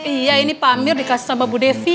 iya ini pak amir dikasih sama bu devi